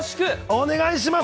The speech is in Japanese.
お願いします。